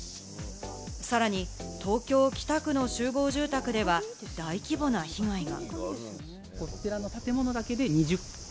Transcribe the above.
さらに東京・北区の集合住宅では大規模な被害が。